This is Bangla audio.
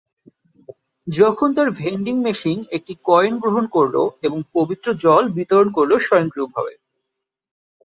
যখন তার ভেন্ডিং মেশিন একটি কয়েন গ্রহণ করলো এবং পবিত্র জল বিতরণ করলো স্বয়ংক্রিয়ভাবে।